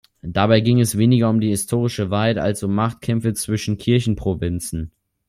Dabei ging es weniger um die historische Wahrheit als um Machtkämpfe zwischen Kirchenprovinzen.